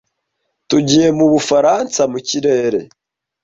Tugiye mu Bufaransa mu kirere.